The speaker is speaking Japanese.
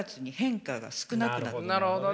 なるほどね。